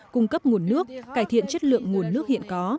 cung cấp nguồn nước cải thiện chất lượng nguồn nước hiện có